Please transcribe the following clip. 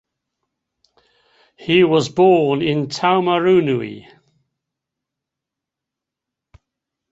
He was born in Taumarunui.